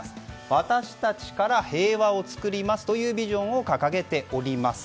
私たちから平和を創りますというビジョンを掲げております。